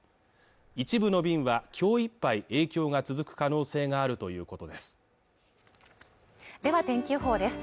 一部の便はきょういっぱい影響が続く可能性があるということですでは天気予報です